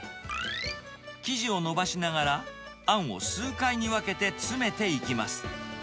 生地を伸ばしながら、あんを数回に分けて詰めていきます。